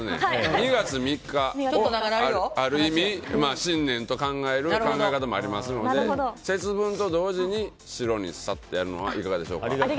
２月３日、ある意味新年と考える考え方もありますので節分と同時に白にするというのはいかがでしょうか。